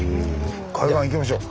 海岸行きましょう！